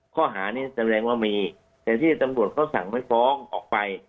ข้อหานี้แสดงว่ามีแต่ที่ตำรวจเขาสั่งไม่ฟ้องออกไป